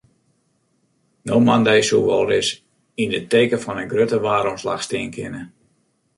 No moandei soe wolris yn it teken fan in grutte waarsomslach stean kinne.